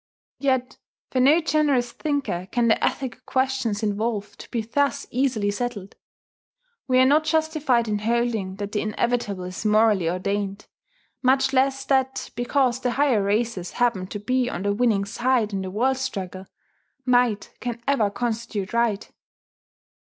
Yet for no generous thinker can the ethical questions involved be thus easily settled. We are not justified in holding that the inevitable is morally ordained, much less that, because the higher races happen to be on the winning side in the world struggle, might can ever constitute right.